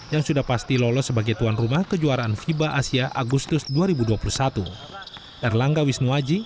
yang sudah pasti lolos sebagai tuan rumah kejuaraan fiba asia agustus dua ribu dua puluh satu